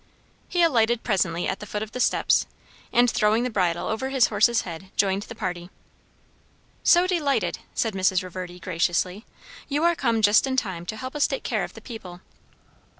He alighted presently at the foot of the steps, and throwing the bridle over his horse's head, joined the party. "So delighted!" said Mrs. Reverdy graciously. "You are come just in time to help us take care of the people."